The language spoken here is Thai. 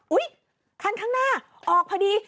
อุ๊ยขั้นข้างหน้าออกพอดี